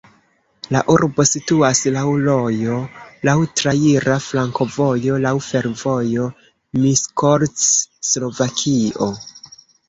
La urbo situas laŭ rojo, laŭ traira flankovojo, laŭ fervojo Miskolc-Slovakio.